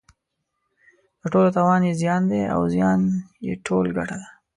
د ټولو تاوان یې زیان دی او زیان یې ټول ګټه ده.